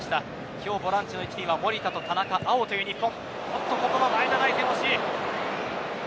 今日ボランチの位置には守田と田中碧という日本。